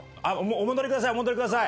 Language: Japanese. お戻りください。